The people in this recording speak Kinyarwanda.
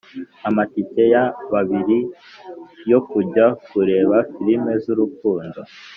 ; amatike ya babiri yo kujya kureba films z’urukundo